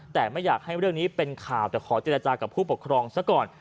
แต่ไม่อยากให้เรื่องนี้เป็นข่าวแต่ขอเจรจากับผู้ปกครองซะก่อน